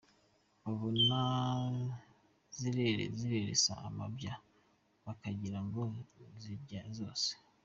Babona zireresa amabya bakagira ngo zimya zose.